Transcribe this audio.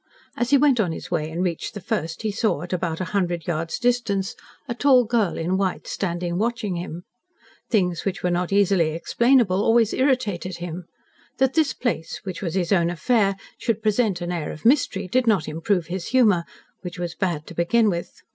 As he went on his way and reached the first, he saw at about a hundred yards distance a tall girl in white standing watching him. Things which were not easily explainable always irritated him. That this place which was his own affair should present an air of mystery, did not improve his humour, which was bad to begin with.